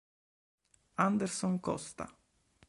Anderson Costa